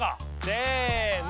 せの！